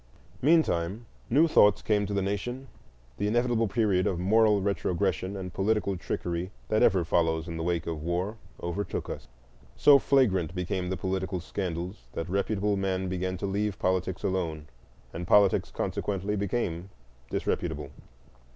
Meantime, new thoughts came to the nation: the inevitable period of moral retrogression and political trickery that ever follows in the wake of war overtook us. So flagrant became the political scandals that reputable men began to leave politics alone, and politics consequently became disreputable.